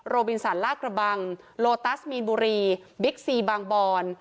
บินสันลากระบังโลตัสมีนบุรีบิ๊กซีบางบอน